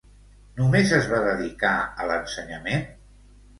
Només es va dedicar a l'ensenyament?